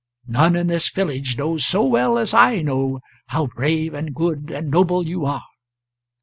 None in this village knows so well as I know how brave and good and noble you are.